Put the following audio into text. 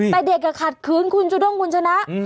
แต่เด็กขัดขืนคุณจูด้งคุณชนะ